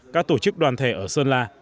các tổ chức đoàn thể ở sơn la